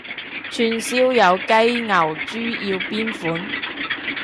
串燒有雞牛豬要邊款？